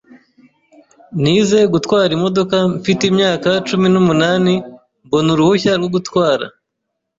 Nize gutwara imodoka mfite imyaka cumi n'umunani mbona uruhushya rwo gutwara